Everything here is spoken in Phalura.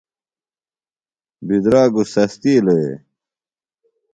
بدراگوۡ سستِیلوۡ وے؟